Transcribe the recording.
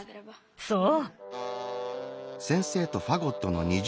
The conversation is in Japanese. そう。